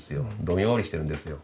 どんよりしてるんですよ。